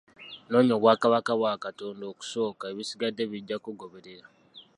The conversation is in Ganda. Noonya obwakabaka bwa Katonda okusooka, ebisigadde bijja kugoberera.